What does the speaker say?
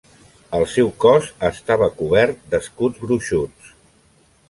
El seu cos estava cobert d'escuts gruixuts.